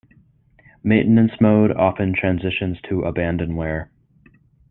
Maintenance mode often transitions to abandonware.